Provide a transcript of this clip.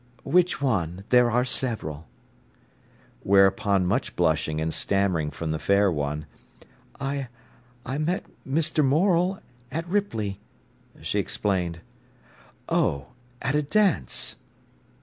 "Which one? There are several." Whereupon much blushing and stammering from the fair one. "I—I met Mr. Morel—at Ripley," she explained. "Oh—at a dance!"